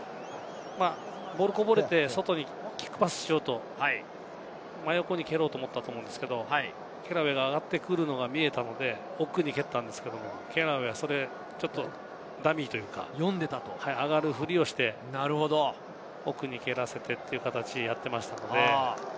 ボールがこぼれて外にキックパスしようと、真横に蹴ろうと思ったと思うんですけれども、ケラウェイが上がってくるのが見えたので奥に蹴ったんですけれども、ケラウェイがそれをダミーというか、上がるふりをして奥に蹴らせてという形をやっていましたので。